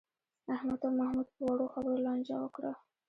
احمد او محمود په وړو خبرو لانجه وکړه.